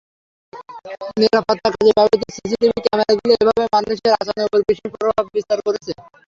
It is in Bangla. নিরাপত্তাকাজে ব্যবহৃত সিসিটিভি ক্যামেরাগুলো এভাবেই মানুষের আচরণের ওপর বিশেষ প্রভাব বিস্তার করছে।